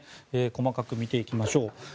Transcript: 細かく見ていきましょう。